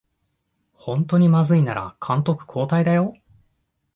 ほんとにまずいなら監督交代だよ